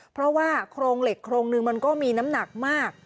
เพราะว่าโครงเหล็กโครงนึงมันก็มีน้ำหนักมาก